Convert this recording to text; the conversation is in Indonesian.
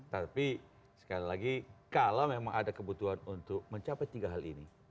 tapi sekali lagi kalau memang ada kebutuhan untuk mencapai tiga hal ini